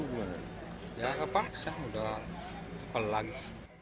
ya jangan kepaksa udah pelagi